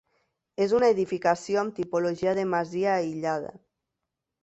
És una edificació amb tipologia de masia aïllada.